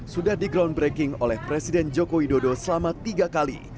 sudah di groundbreaking oleh presiden joko widodo selama tiga kali